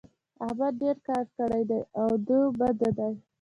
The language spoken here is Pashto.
احمد ډېر کار کړی دی؛ ادو بدو دی.